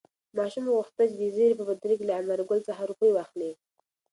ماشوم غوښتل چې د زېري په بدل کې له انارګل څخه روپۍ واخلي.